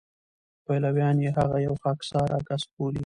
پلویان یې هغه یو خاکساره کس بولي.